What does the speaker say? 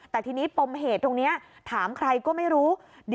แต่ทีนี้ปมเหตุตรงนี้ถามใครก็ไม่รู้